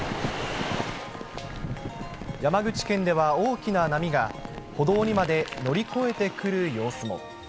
山口県では大きな波が、歩道にまで乗り越えてくる様子も。